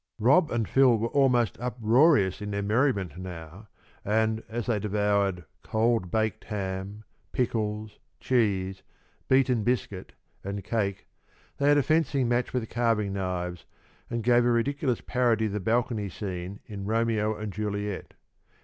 Rob and Phil were almost uproarious in their merriment now, and, as they devoured cold baked ham, pickles, cheese, beaten biscuit, and cake, they had a fencing match with carving knives, and gave a ridiculous parody of the balcony scene in "Romeo and Juliet."